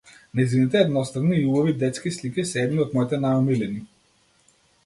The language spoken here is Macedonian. Нејзините едноставни и убави детски слики се едни од моите најомилени.